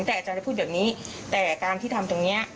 แต่อาจารย์ได้พูดแบบนี้แต่การที่ทำตรงนี้